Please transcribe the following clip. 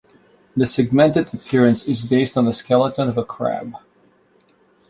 The segmented appearance is based on the skeleton of a crab.